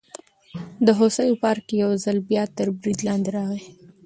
د هوسیو پارک یو ځل بیا تر برید لاندې راغی.